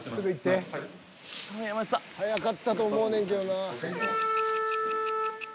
［早かったと思うねんけどな］